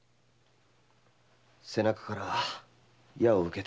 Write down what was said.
背中から矢を受けたようです。